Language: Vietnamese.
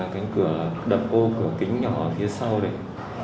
cái cửa đập ô cửa kính nhỏ ở phía sau đấy